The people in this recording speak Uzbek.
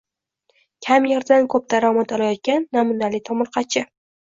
Kam yerdan ko‘p daromad olayotgan namunali tomorqaching